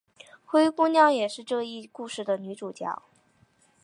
灰姑娘也是这一故事的女主角。